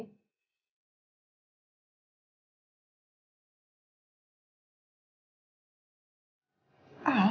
dan itu memang tidak berhasil